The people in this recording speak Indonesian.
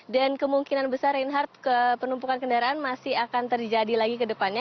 dan kemungkinan besar reinhardt penumpukan kendaraan masih akan terjadi lagi ke depannya